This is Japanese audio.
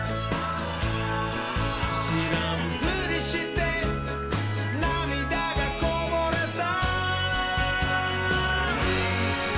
「しらんぷりしてなみだがこぼれた」